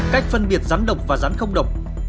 cách phân biệt rắn độc và rắn không độc